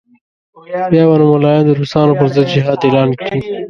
بیا به نو ملایان د روسانو پر ضد جهاد اعلان کړي.